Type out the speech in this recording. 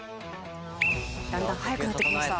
だんだん速くなってきました。